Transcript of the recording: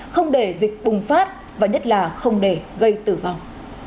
không để dịch bùng phát và nhất là không để gây tử vong